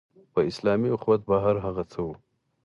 په اسلامي اخوت باور هغه څه وو.